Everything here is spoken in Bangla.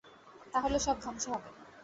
তাহলে সব ধ্বংস হবে।